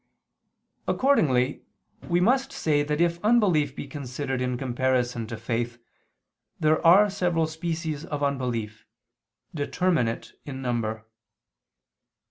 Accordingly we must say that if unbelief be considered in comparison to faith, there are several species of unbelief, determinate in number.